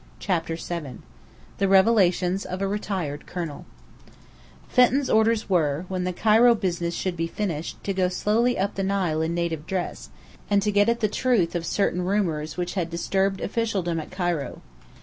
CHAPTER VII THE REVELATIONS OF A RETIRED COLONEL Fenton's orders were, when the Cairo business should be finished, to go slowly up the Nile in native dress, and get at the truth of certain rumours which had disturbed officialdom at Cairo.